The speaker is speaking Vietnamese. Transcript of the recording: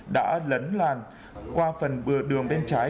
đã lấn làn qua phần đường bên trái